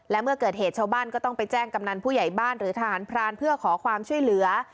และเมื่อเกิดเหตุชาวบ้านก็ต้องไปแจ้งกำนันผู้ใหญ่บ้านหรือทหารพรานเพื่อขอความช่วยเหลือ